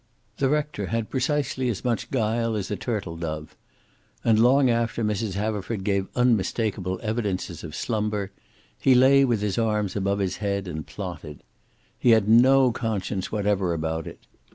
The rector had precisely as much guile as a turtle dove, and long, after Mrs. Haverford gave unmistakable evidences of slumber, he lay with his arms above his head, and plotted. He had no conscience whatever about it.